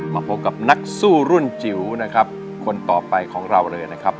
มาพบกับนักสู้รุ่นจิ๋วนะครับคนต่อไปของเราเลยนะครับ